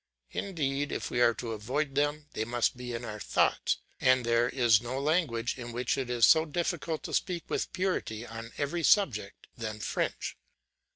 Indeed, if we are to avoid them, they must be in our thoughts, and there is no language in which it is so difficult to speak with purity on every subject than French.